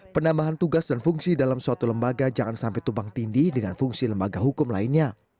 penambahan tugas dan fungsi dalam suatu lembaga jangan sampai tumpang tindih dengan fungsi lembaga hukum lainnya